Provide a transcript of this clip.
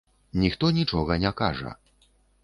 Ніхто нічога не кажа.